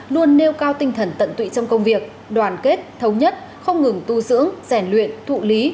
luôn nêu cao tinh thần tận tụy trong công việc đoàn kết thống nhất không ngừng tu dưỡng rèn luyện thụ lý